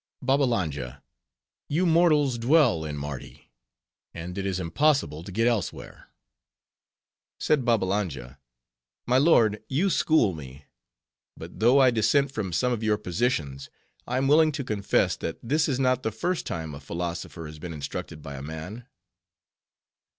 Babbalanja, you mortals dwell in Mardi, and it is impossible to get elsewhere." Said Babbalanja, "My lord, you school me. But though I dissent from some of your positions, I am willing to confess, that this is not the first time a philosopher has been instructed by a man."